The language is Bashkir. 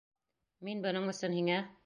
Мин бының өсөн һиңә...